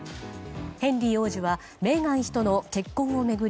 ヘンリー王子はメーガン妃との結婚を巡り